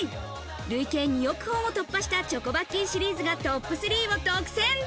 累計２億本を突破したチョコバッキーシリーズがトップ３を独占。